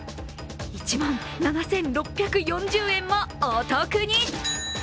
１万７６４０円もお得に！